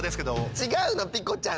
ちがうのピコちゃん！